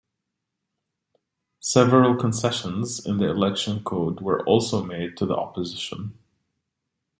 Several concessions in the election code were also made to the opposition.